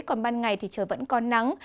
còn ban ngày thì trời vẫn còn nắng